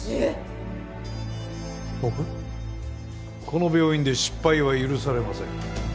この病院で失敗は許されません。